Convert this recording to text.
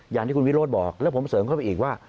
อย่างที่คุณวิโรธบอกแล้วผมเสริมเข้าไปอีกว่า